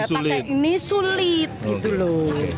pakai ini sulit gitu loh